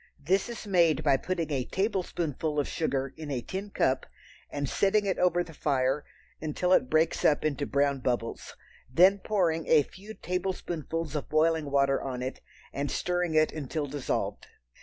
This is made by putting a tablespoonful of sugar in a tin cup and setting it over the fire until it breaks up into brown bubbles, then pouring a few tablespoonfuls of boiling water on it and stirring it until dissolved.